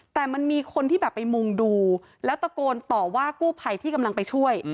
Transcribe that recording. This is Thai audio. แต่มันมีคนที่แบบไปมุ่งดูแล้วตะโกนต่อว่ากู้ภัยที่กำลังไปช่วย